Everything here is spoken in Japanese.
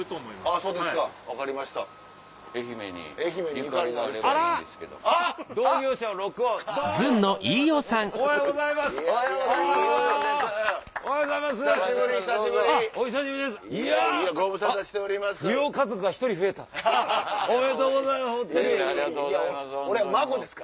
ありがとうございます。